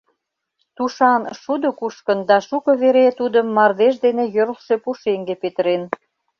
Тушан шудо кушкын да шуко вере тудым мардеж дене йӧрлшӧ пушеҥге петырен.